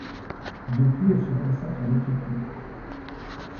Depuis elle se consacre à l'écriture.